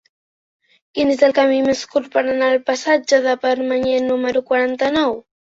Quin és el camí més curt per anar al passatge de Permanyer número quaranta-nou?